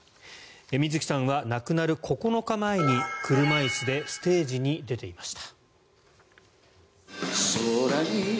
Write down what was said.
水木さんは亡くなる９日前に車椅子でステージに出ていました。